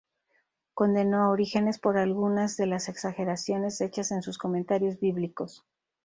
Condenó a Orígenes por algunas de las exageraciones hechas en sus comentarios bíblicos.